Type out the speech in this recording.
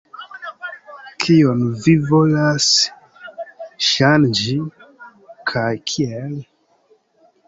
Kion vi volas ŝanĝi kaj kiel?